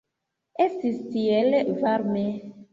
Estis tiel varme.